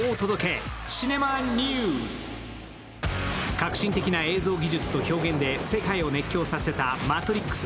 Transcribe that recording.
革新的な映像技術と表現で世界を熱狂させた「マトリックス」。